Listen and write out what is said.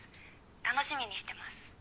楽しみにしてます。